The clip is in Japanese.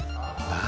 何？